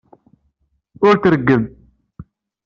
Ur t-reggem.